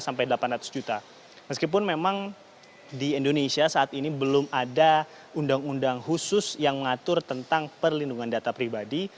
meskipun memang di indonesia saat ini belum ada undang undang khusus yang mengatur tentang perlindungan data pribadi